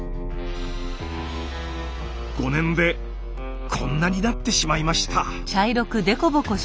５年でこんなになってしまいました。